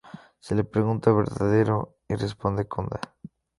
Se le pregunta a Verdadero y responde con da.